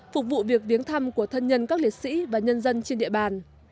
phục vụ việc viếng thăm của thân nhân các liệt sĩ và nhân dân trên địa bàn